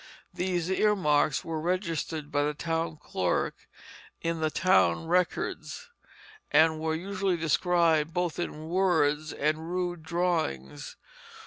These earmarks were registered by the town clerk in the town records, and were usually described both in words and rude drawings.